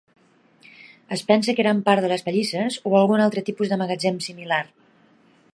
Es pensa que eren part de les pallisses o algun altre tipus de magatzem similar.